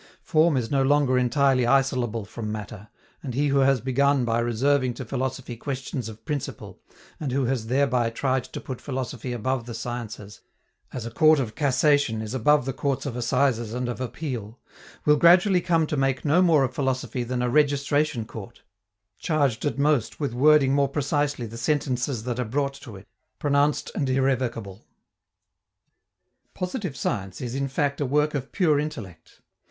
Form is no longer entirely isolable from matter, and he who has begun by reserving to philosophy questions of principle, and who has thereby tried to put philosophy above the sciences, as a "court of cassation" is above the courts of assizes and of appeal, will gradually come to make no more of philosophy than a registration court, charged at most with wording more precisely the sentences that are brought to it, pronounced and irrevocable. Positive science is, in fact, a work of pure intellect.